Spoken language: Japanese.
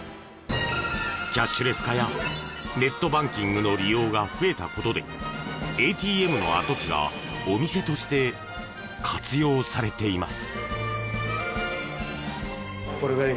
キャッシュレス化やネットバンキングの利用が増えたことでＡＴＭの跡地がお店として活用されています。